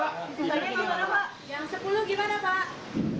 yang sepuluh gimana pak